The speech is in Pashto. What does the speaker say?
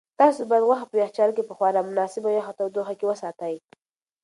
تاسو باید غوښه په یخچال کې په خورا مناسبه او یخه تودوخه کې وساتئ.